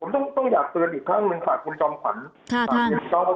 ต้องอยากเตือนอีกครั้งหนึ่งฟังต้องอยากคุณจองฝัน